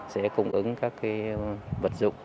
sẽ cung ứng các vật dụng